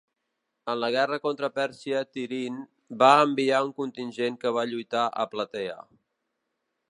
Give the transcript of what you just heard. En la guerra contra Pèrsia Tirint, va enviar un contingent que va lluitar a Platea.